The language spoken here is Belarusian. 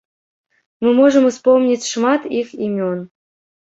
Мы можам успомніць шмат іх імён.